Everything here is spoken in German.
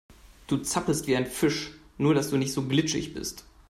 Du zappelst wie ein Fisch, nur dass du nicht so glitschig bist.